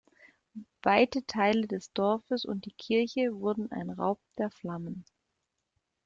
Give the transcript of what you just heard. Weite Teile des Dorfes und die Kirche wurden ein Raub der Flammen.